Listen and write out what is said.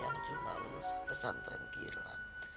yang cuma lu pesan terangkiran